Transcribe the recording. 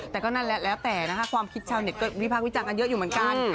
แต่ก็นั่นแหละแล้วแต่นะคะความคิดชาวเน็ตก็วิพากษ์วิจารณ์กันเยอะอยู่เหมือนกัน